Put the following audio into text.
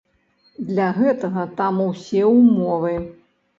Для гэтага там усе ўмовы.